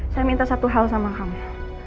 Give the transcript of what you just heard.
saya minta satu hal sama kamu